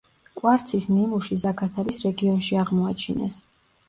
კვარცის ნიმუში ზაქათალის რეგიონში აღმოაჩინეს.